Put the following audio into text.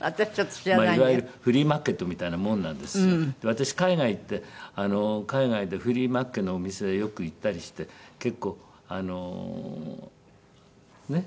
私海外行ってあの海外でフリーマーケットのお店よく行ったりして結構あのねえ。